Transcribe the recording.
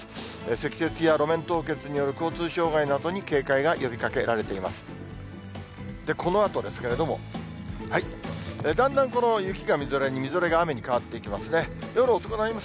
積雪や路面凍結による交通障害などに警戒が呼びかけられています。